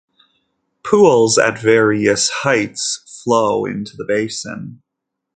Pools at various heights flow into the basin.